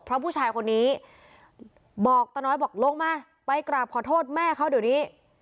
เพราะผู้ชายคนนี้บอกตาน้อยบอกลงมาไปกราบขอโทษแม่เขาเดี๋ยวนี้